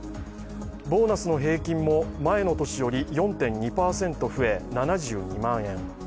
ボーナスの平均も前の年より４．２％増え７２万円。